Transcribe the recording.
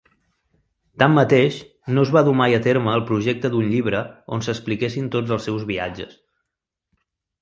Tanmateix, no es va dur mai a terme el projecte d'un llibre on s'expliquessin tots els seus viatges.